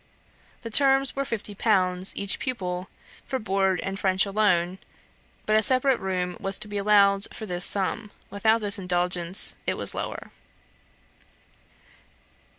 The terms were 50_l_. each pupil, for board and French alone, but a separate room was to be allowed for this sum; without this indulgence, it was lower.